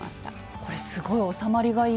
これすごい収まりがいいです。